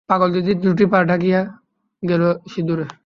পাগলদিদির দুটি পা ঢাকিয়া গেল সিঁদুরে।